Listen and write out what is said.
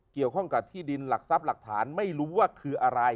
เกี่ยวข้องกับที่ดินหลักทรัพย์หลักฐานไม่รู้ว่าคืออะไร